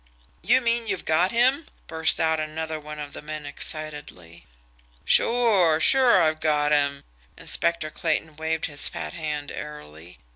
"You mean you've got him?" burst out another one of the men excitedly. "Sure! Sure, I've got him." Inspector Clayton waved his fat hand airily.